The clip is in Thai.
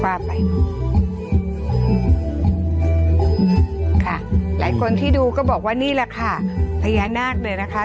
ค่ะหลายคนที่ดูก็บอกว่านี่แหละค่ะพญานาคเนี่ยนะคะ